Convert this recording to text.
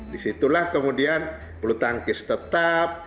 disitulah kemudian bulu tangkis tetap